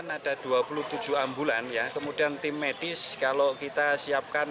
ada dua puluh tujuh ambulan ya kemudian tim medis kalau kita siapkan